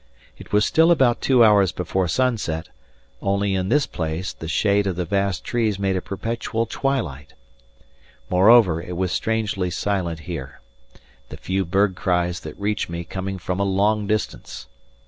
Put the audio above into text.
It was still about two hours before sunset; only in this place the shade of the vast trees made a perpetual twilight: moreover, it was strangely silent here, the few bird cries that reached me coming from a long distance.